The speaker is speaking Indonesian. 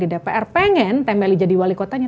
di dpr pengen teh meli jadi wali kotanya